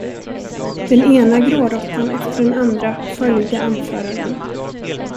Den ena gråråttan efter den andra följde anföraren.